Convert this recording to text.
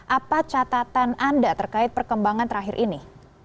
apa catatan anda terkait perkembangan terakhir ini